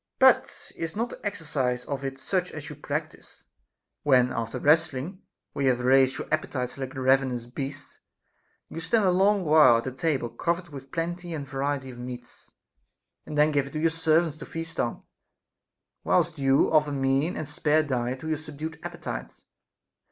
But is not the exercise of it such as you practise, when after wrestling, where you have raised your appetites like ravenous beasts, you stand a long while at a table covered with plenty and variety of meats, and then give it to your servants to feast on, whilst you offer mean and spare diet to your subdued appetites